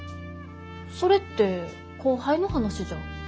それって後輩の話じゃ。